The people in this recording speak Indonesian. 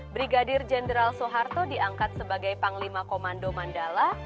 brigadir jenderal soeharto diangkat sebagai panglima komando mandala